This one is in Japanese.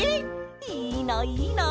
いいないいな。